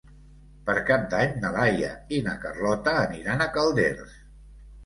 Per Cap d'Any na Laia i na Carlota aniran a Calders.